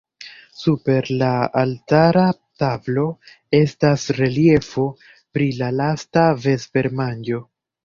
Super la altara tablo estas reliefo pri la Lasta vespermanĝo.